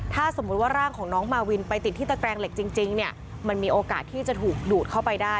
ถ้าสมมุติว่าร่างของน้องมาวินไปติดที่ตะแกรงเหล็กจริงเนี่ยมันมีโอกาสที่จะถูกดูดเข้าไปได้